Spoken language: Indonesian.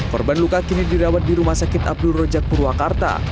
korban luka kini dirawat di rumah sakit abdul rojak purwakarta